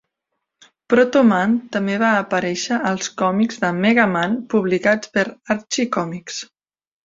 Proto Man també va aparèixer als còmics de "Mega Man" publicats per Archie Comics.